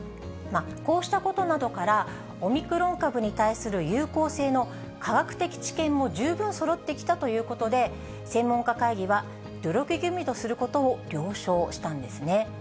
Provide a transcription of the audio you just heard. こうしたことなどから、オミクロン株に対する有効性の科学的知見も十分そろってきたということで、専門家会議は努力義務とすることを了承したんですね。